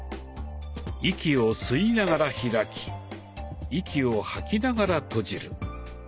息を吸いながら開き息を吐きながら閉じる。